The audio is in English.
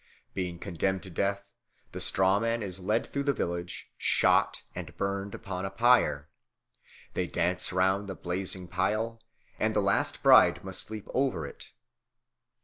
Being condemned to death, the straw man is led through the village, shot, and burned upon a pyre. They dance round the blazing pile, and the last bride must leap over it.